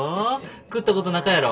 食ったことなかやろ？